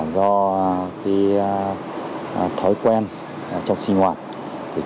do thói quen trong sinh hoạt